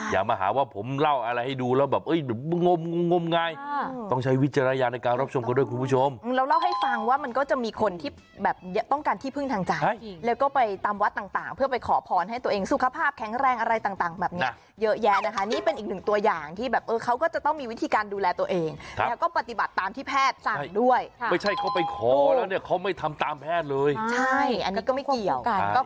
อย่ามาหาว่าผมเล่าอะไรให้ดูแล้วแบบเอ้ยยยย